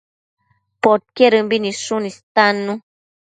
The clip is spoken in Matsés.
Podquedëmbi nidshun istannu